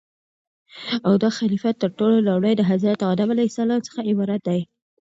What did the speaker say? او داخليفه تر ټولو لومړى دحضرت ادم عليه السلام څخه عبارت دى